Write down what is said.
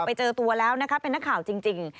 ไปเจอตัวแล้วนะคะเป็นนักข่าวจริง